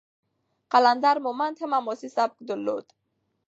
قلندر مومند هم حماسي سبک درلود.